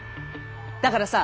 だからさ